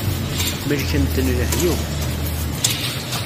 Melken-ten lehyuf.